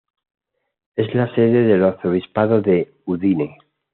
Es la sede del Arzobispo de Udine.